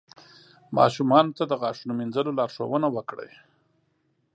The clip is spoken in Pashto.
ماشومانو ته د غاښونو مینځلو لارښوونه وکړئ.